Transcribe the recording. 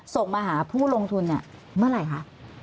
ส่งมาหาผู้ลงทุนเมื่อไหร่ค่ะ